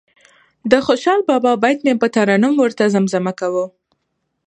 د خوشال بابا بیت به مې په ترنم ورته زمزمه کاوه.